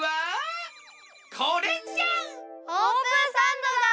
オープンサンドだ！